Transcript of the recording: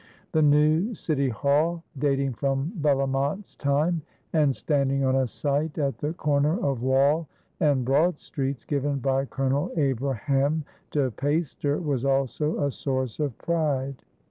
The new City Hall, dating from Bellomont's time and standing on a site at the corner of Wall and Broad Streets, given by Colonel Abraham de Peyster, was also a source of pride.